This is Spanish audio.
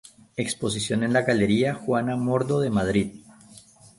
Exposición en la Galería Juana Mordo de Madrid.